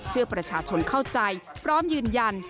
เชื่อประชาชนเข้าใจพร้อมยืนยัน